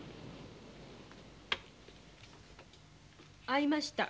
会いました。